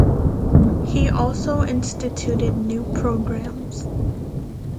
He also instituted new programs.